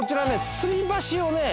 吊り橋をね